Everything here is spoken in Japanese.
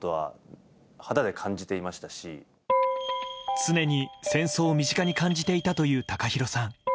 常に戦争を身近に感じていたというＴＡＫＡＨＩＲＯさん。